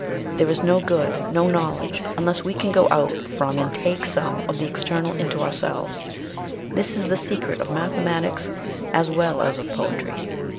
There is no good, uo knowledge, unless we can go out from and take some of the external into our selves. This is the secret of mathematics as well as of poetry."